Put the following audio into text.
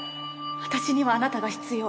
私にはあなたが必要。